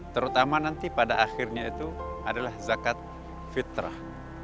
terutama nanti pada akhirnya itu adalah zakat fitrah